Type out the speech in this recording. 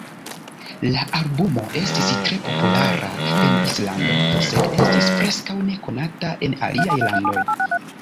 La albumo estis tre populara en Islando, sed estis preskaŭ nekonata en aliaj landoj.